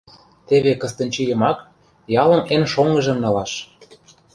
Теве Кыстынчийымак, ялын эн шоҥгыжым, налаш.